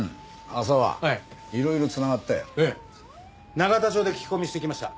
永田町で聞き込みしてきました。